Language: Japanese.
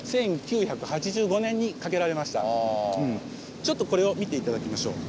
ちょっとこれを見て頂きましょう。